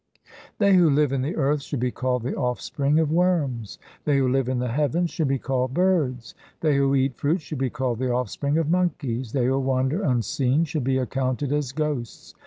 COMPOSITIONS OF GURU GOBIND SINGH 271 They who live in the earth should be called the offspring of worms ; they who live in the heavens should be called birds. They who eat fruit should be called the offspring of monkeys ; they who wander unseen should be accounted as ghosts.